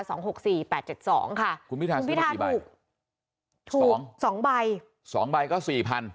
สองหกสี่แปดเจ็ดสองค่ะคุณพิทาถูกสองสองใบสองใบก็สี่พัน